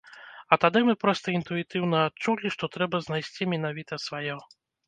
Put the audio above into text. А тады мы проста інтуітыўна адчулі, што трэба знайсці менавіта сваё.